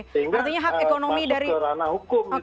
sehingga masuk ke ranah hukum